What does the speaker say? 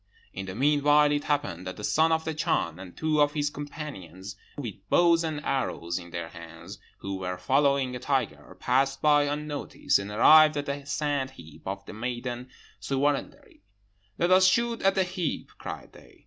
"In the meanwhile it happened that the son of the Chan and two of his companions, with bows and arrows in their hands, who were following a tiger, passed by unnoticed, and arrived at the sand heap of the maiden Ssuwarandari. 'Let us shoot at that heap!' cried they.